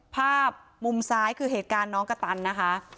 ภาพมุมซ้ายคือเหตุการณ์น้องกระตันนะคะ